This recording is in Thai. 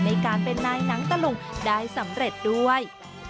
ในการเป็นนายหนังตะลุงได้สำเร็จด้วย